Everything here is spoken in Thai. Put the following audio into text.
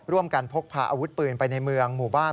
พกพาอาวุธปืนไปในเมืองหมู่บ้าน